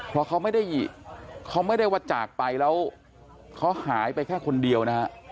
เพราะเขาไม่ได้เขาไม่ได้ว่าจากไปแล้วเขาหายไปแค่คนเดียวนะฮะ